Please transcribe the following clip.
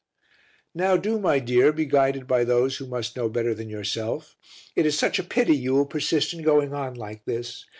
"Now do, my dear, be guided by those who must know better than yourself. It is such a pity you will persist in going on like this.